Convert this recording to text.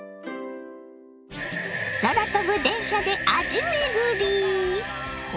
空飛ぶ電車で味めぐり！